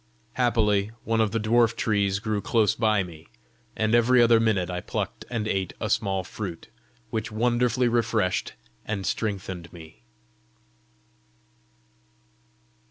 Happily one of the dwarf trees grew close by me, and every other minute I plucked and ate a small fruit, which wonderfully refreshed and strengthened me.